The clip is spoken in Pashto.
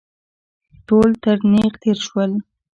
ټول تر تېغ تېر شول.